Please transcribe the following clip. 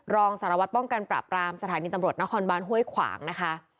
รองสารวัตรป้องกันปราบรามสถานีตำรวจนครบานห้วยขวางนะคะ